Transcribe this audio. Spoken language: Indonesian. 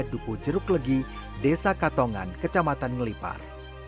duku jeruk legi desa katongan kecamatan ngelipar